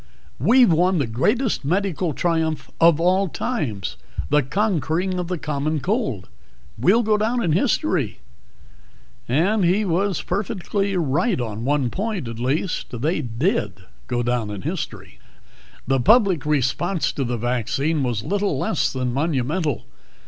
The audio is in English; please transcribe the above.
We've won the greatest medical triumph of all times the conquering of the Common Cold. We'll go down in history!" And he was perfectly right on one point, at least. They did go down in history. The public response to the vaccine was little less than monumental.